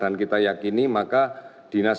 dan kita yakini maka dinas